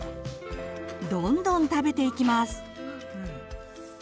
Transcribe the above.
どんどん食べていきます。